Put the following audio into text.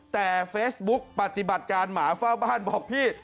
แต่เฟซบุ๊กปฏิบัติการหมาเฝ้าบ้านบอกพี่